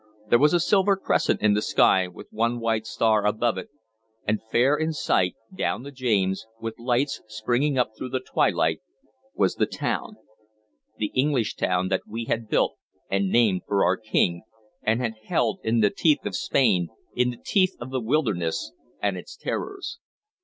There was a silver crescent in the sky with one white star above it, and fair in sight, down the James, with lights springing up through the twilight, was the town, the English town that we had built and named for our King, and had held in the teeth of Spain, in the teeth of the wilderness and its terrors.